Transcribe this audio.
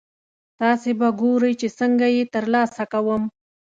تاسې به ګورئ چې څنګه یې ترلاسه کوم.